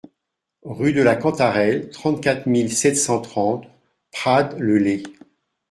Rue de la Cantarelle, trente-quatre mille sept cent trente Prades-le-Lez